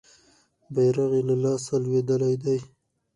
بیرغ یې له لاسه لویدلی دی.